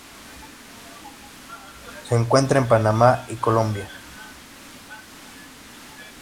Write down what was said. Se encuentra en Panamá y Colombia.